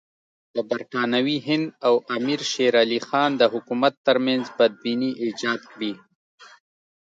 د برټانوي هند او امیر شېر علي خان د حکومت ترمنځ بدبیني ایجاد کړي.